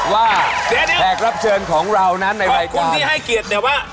ว่าแผงรับเชิญของเรานั้นในรายการขอบคุณที่ให้เกียรติแต่ว่า